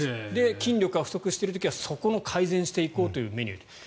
筋力が不足している時はそこも改善していこうというメニュー。